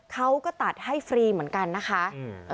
เขาก็ตัดให้ฟรีเหมือนกันนะคะอืม